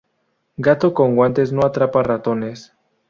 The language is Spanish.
Gato con guantes no atrapa ratones